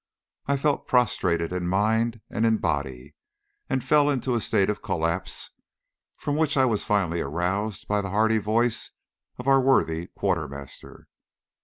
I felt prostrated in mind and in body, and fell into a state of collapse, from which I was finally aroused by the hearty voice of our worthy quartermaster.